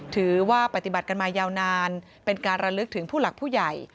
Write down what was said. ถือว่าปฏิบัติกันมายาวนานเป็นการระลึกถึงผู้หลักผู้ใหญ่